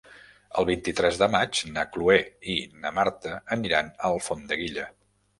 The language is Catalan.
El vint-i-tres de maig na Cloè i na Marta aniran a Alfondeguilla.